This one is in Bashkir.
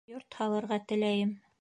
Йорт һалырға теләйем.